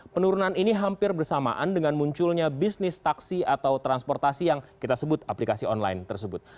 penurunan ini hampir bersamaan dengan munculnya bisnis taksi atau transportasi yang kita sebut aplikasi online tersebut